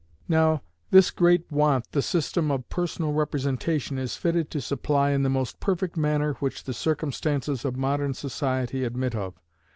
Now, this great want the system of Personal Representation is fitted to supply in the most perfect manner which the circumstances of modern society admit of.